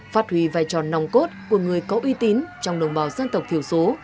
phát huy vai trò nòng cốt của người có uy tín trong đồng bào dân tộc thiểu số